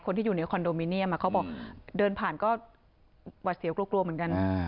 ที่อยู่ในคอนโดมิเนียมเขาบอกเดินผ่านก็หวัดเสียวกลัวเหมือนกัน